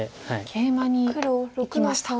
ケイマにいきました。